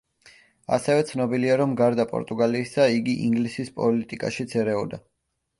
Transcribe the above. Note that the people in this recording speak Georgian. ასევე ცნობილია, რომ გარდა პორტუგალიისა, იგი ინგლისის პოლიტიკაშიც ერეოდა.